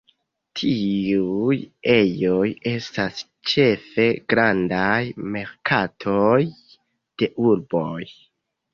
Tiuj ejoj estas ĉefe grandaj merkatoj de urboj.